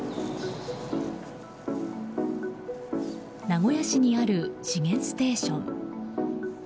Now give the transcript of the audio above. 名古屋市にある資源ステーション。